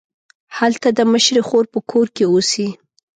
هلته د مشرې خور په کور کې اوسي.